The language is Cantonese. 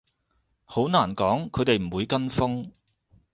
好難講，佢哋唔會跟風